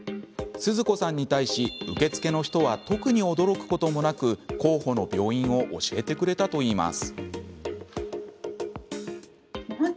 すずこさんに対し受付の人は特に驚くこともなく候補の病院を教えてくれたといいます。